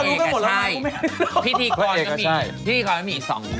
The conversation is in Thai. ผู้เอกก็ใช่พี่ธีกรก็มี๒คนไง